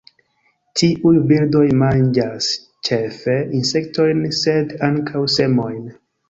Tiuj birdoj manĝas ĉefe insektojn sed ankaŭ semojn.